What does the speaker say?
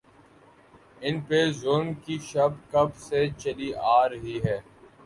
ان پہ ظلم کی شب کب سے چلی آ رہی ہے۔